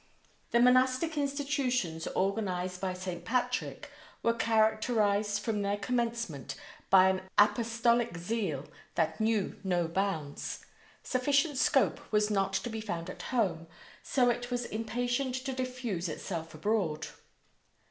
The monastic institutions organized by St. Patrick were characterized from their commencement by an apostolic zeal that knew no bounds. Sufficient scope was not to be found at home, so it was impatient to diffuse itself abroad.